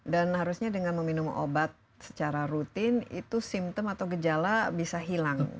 dan harusnya dengan meminum obat secara rutin itu simptom atau gejala bisa hilang